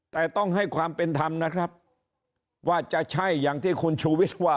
แต่ต้องให้ความเป็นธรรมนะครับว่าจะใช่อย่างที่คุณชูวิทย์ว่า